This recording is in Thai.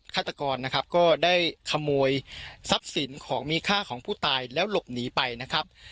ฆาตกรนะครับก็ได้ขโมยทรัพย์สินของมีค่าของผู้ตายแล้วหลบหนีไปนะครับ